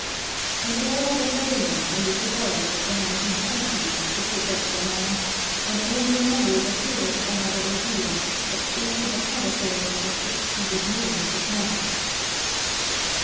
And Avhere are the Ferdinands and Isabellas of the nineteeeth century to forget the man and only remember the hero of another idea that opened a thoroughfare for six hundred millions of men?